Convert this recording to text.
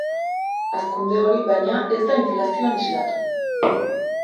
Hazkunde hori, baina, ez da inflazioan islatu.